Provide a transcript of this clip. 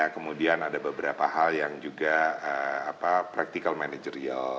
kemudian ada beberapa hal yang juga practical managerial